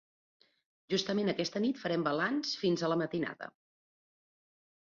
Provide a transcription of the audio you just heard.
Justament aquesta nit farem balanç fins a la matinada.